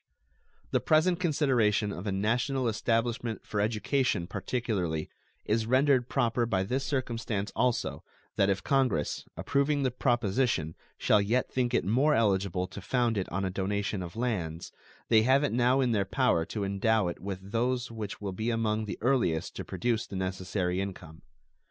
The present consideration of a national establishment for education particularly is rendered proper by this circumstance also, that if Congress, approving the proposition, shall yet think it more eligible to found it on a donation of lands, they have it now in their power to endow it with those which will be among the earliest to produce the necessary income.